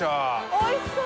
おいしそう！